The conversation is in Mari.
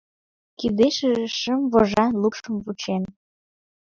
Кидешыже шым вожан лупшым кучен.